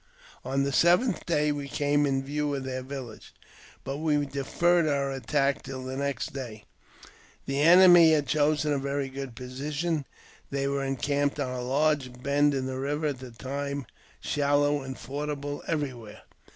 On the seventh day we came in view of their village, but we deferred our attack till the next day. The enemy had chosen a very good position ; they were encamped on a large bend of the river, at that time shallow and fordable everywhere.